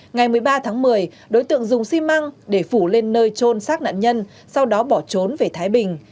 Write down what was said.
ngày một mươi ba tháng một mươi đối tượng dùng xi măng để phủ lên nơi trôn xác nạn nhân sau đó bỏ trốn về thái bình